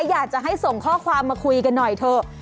อยากจะให้ส่งข้อความมาคุยกันหน่อยเถอะ